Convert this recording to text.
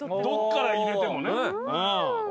どっから入れてもね。